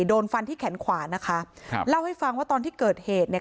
โดนฟันที่แขนขวานะคะครับเล่าให้ฟังว่าตอนที่เกิดเหตุเนี่ย